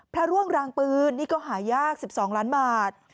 พระร่วงรางปืนนี่ก็หายาก๑๒ล้านบาท